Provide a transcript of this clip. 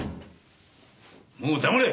もう黙れ！